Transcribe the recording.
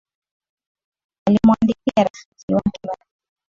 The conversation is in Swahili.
Alimwandikia rafiki wake barua